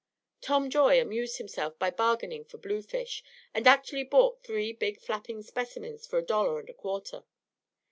Tom Joy amused himself by bargaining for blue fish, and actually bought three big flapping specimens for a dollar and a quarter.